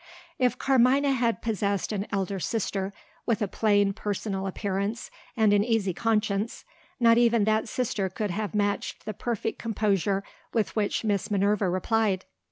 If Carmina had possessed an elder sister, with a plain personal appearance and an easy conscience, not even that sister could have matched the perfect composure with which Miss Minerva replied.